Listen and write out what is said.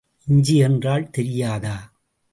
இஞ்சி என்றால் தெரியாதா?